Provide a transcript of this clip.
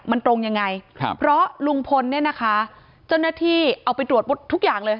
มันตรงยังไงครับเพราะลุงพลเนี่ยนะคะเจ้าหน้าที่เอาไปตรวจหมดทุกอย่างเลย